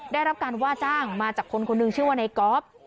ได้รับการว่าจ้างมาจากคนคนหนึ่งชื่อว่าในกอล์ฟ